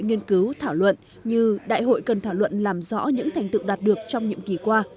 nghiên cứu thảo luận như đại hội cần thảo luận làm rõ những thành tựu đạt được trong nhiệm kỳ qua